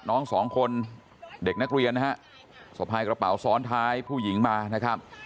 น้องสองคนเด็กนักเรียนนะฮะสะพายกระเป๋าซ้อนท้ายผู้หญิงมานะครับ